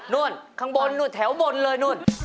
นู้นเข้าบนแถวบนเลย